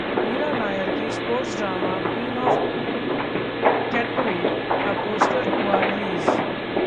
मीरा नायर की sports drama 'queen of Katwe' का poster हुआ रिलीज